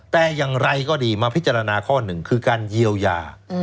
แต่อย่างไรก็ดีมาพิจารณาข้อหนึ่งคือการเยียวยา